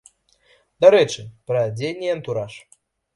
Дарэчы, пра адзенне і антураж.